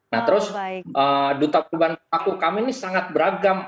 nah terus duta perubahan pelaku kami ini sangat beragam